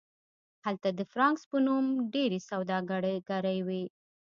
هلته د فرانکس په نوم هم ډیرې سوداګرۍ وې